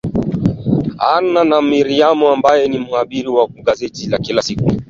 Anna Namiriano ambaye ni mhariri wa gazeti la kila siku la lugha ya kiingereza